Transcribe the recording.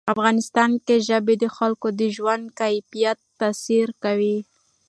افغانستان کې ژبې د خلکو د ژوند کیفیت تاثیر کوي.